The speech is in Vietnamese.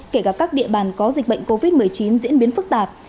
kể cả các địa bàn có dịch bệnh covid một mươi chín diễn biến phức tạp